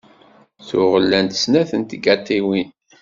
Tuɣ llant snat n tgaṭiwin.